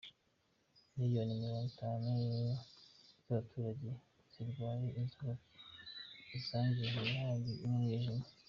Miliyoni Mirongo Itunu zabaturage zirwaye inzoka zangiza ibihaha n’umwijima